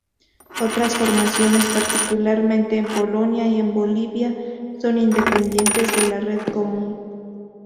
Otras formaciones, particularmente en Polonia y en Bolivia, son independientes de la red común.